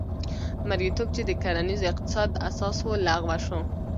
مریتوب چې د کرنیز اقتصاد اساس و لغوه شو.